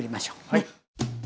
はい。